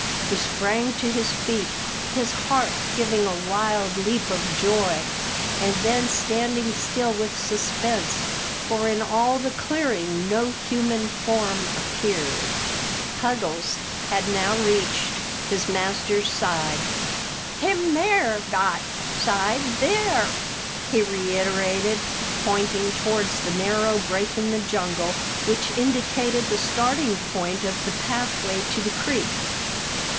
He sprang to his feet, his heart giving a wild leap of joy, and then standing still with suspense. For in all the clearing no human form appeared. Puggles had now reached his master's side. "Him there got, sa'b, there!" he reiterated, pointing towards the narrow break in the jungle which indicated the starting point of the pathway to the creek.